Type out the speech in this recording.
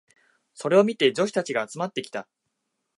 それを見て女子たちが集まってきた。